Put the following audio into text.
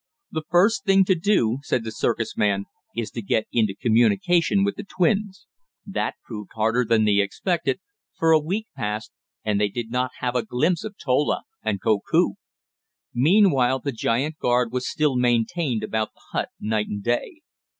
"The first thing to do," said the circus man, "is to get into communication with the twins." That proved harder than they expected, for a week passed, and they did not have a glimpse of Tola and Koku. Meanwhile the giant guard was still maintained about the hut night and day.